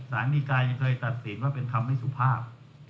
สารดีกายังเคยตัดสินว่าเป็นคำไม่สุภาพ